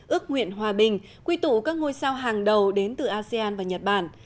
ước nguyện hòa bình quy tụ các ngôi sao hàng đầu đến từ asean và nhật bản